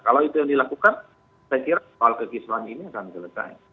kalau itu yang dilakukan saya kira soal kekisruhan ini akan selesai